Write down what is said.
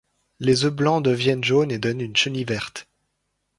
Les œufs blancs deviennent jaunes et donnent une chenille verte.